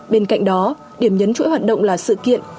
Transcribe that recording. bên cạnh đó điểm nhấn chuỗi hoạt động là sự kiện